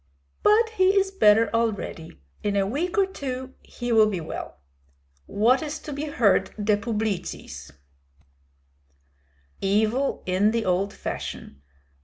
"But he is better already. In a week or two he will be well. What is to be heard de publicis?" "Evil in the old fashion.